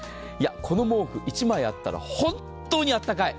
この毛布、１枚あったら本当にあったかい。